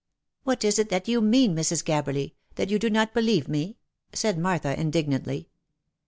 " What is it that you mean, Mrs. Gabberly — that you do not believe me ?" said Martha, indignantly.